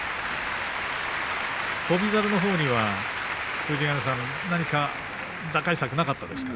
翔猿のほうには何か打開策はなかったですか。